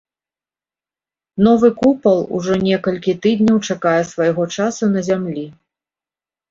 Новы купал ужо некалькі тыдняў чакае свайго часу на зямлі.